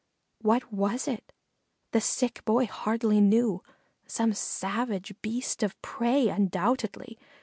What was it? The sick boy hardly knew some savage Beast of prey, undoubtedly.